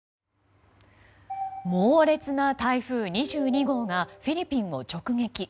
猛烈な台風２２号がフィリピンを直撃。